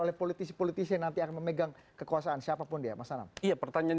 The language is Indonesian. oleh politisi politisi nanti akan memegang kekuasaan siapapun dia masalah ia pertanyaan